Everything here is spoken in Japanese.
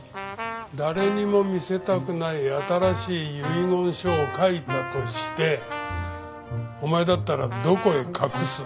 誰にも見せたくない新しい遺言書を書いたとしてお前だったらどこへ隠す？